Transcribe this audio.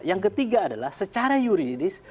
yang ketiga adalah secara yuridis